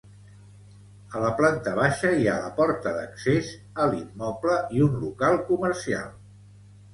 A la planta baixa hi ha la porta d'accés a l'immoble i un local comercial.